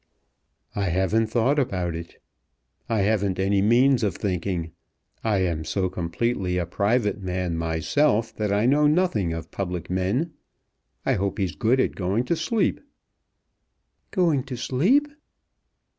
"I haven't thought about it. I haven't any means of thinking. I am so completely a private man myself, that I know nothing of public men. I hope he's good at going to sleep." "Going to sleep?"